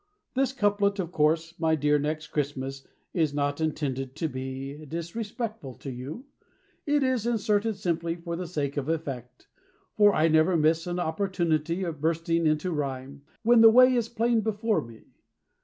This couplet, of course. My dear Next Christmas, Is not intended to be Disrespectful to you; It is inserted simply For the sake of effect. For I never miss an opportunity Of bursting into rhyme. When the way is plain before me.